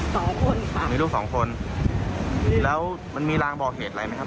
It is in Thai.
สองคนค่ะมีลูกสองคนแล้วมันมีรางบอกเหตุอะไรไหมครับ